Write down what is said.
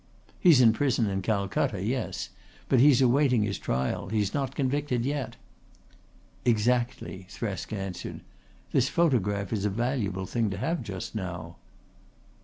"He's in prison in Calcutta, yes. But he's awaiting his trial. He's not convicted yet." "Exactly," Thresk answered. "This photograph is a valuable thing to have just now."